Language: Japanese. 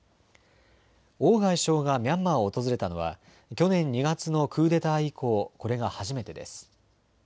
王外相がミャンマーを訪れたのは去年２月のクーデター以降、これが初めてです。